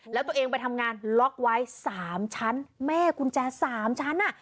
แล้วตัวเองไปทำงานล็อกไว้๓ชั้นแม่กุญแจสามชั้นอ่ะ